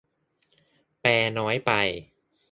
แปลน้อยไป